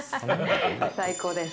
最高です。